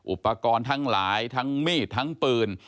อุปกรณ์ทั้งหลายทั้งมีดทั้งปืน